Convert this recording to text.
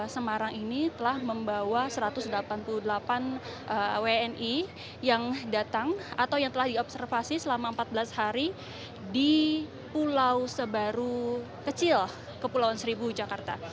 semarang ini telah membawa satu ratus delapan puluh delapan wni yang datang atau yang telah diobservasi selama empat belas hari di pulau sebaru kecil kepulauan seribu jakarta